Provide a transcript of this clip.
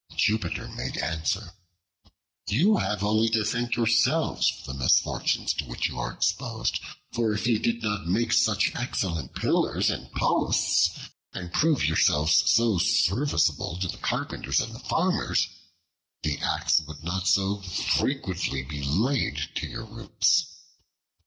Jupiter made answer: "You have only to thank yourselves for the misfortunes to which you are exposed: for if you did not make such excellent pillars and posts, and prove yourselves so serviceable to the carpenters and the farmers, the axe would not so frequently be laid to your roots."